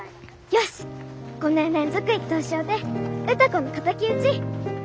よし５年連続１等賞で歌子の敵討ち！